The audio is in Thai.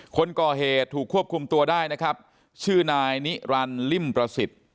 คนก่อเหตุถูกควบคุมตัวได้นะครับชื่อนายนิรันดิริ่มประสิทธิ์